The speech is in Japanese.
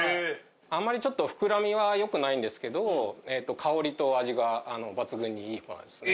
あんまりちょっと膨らみはよくないんですけどえっと香りと味が抜群にいい粉ですね。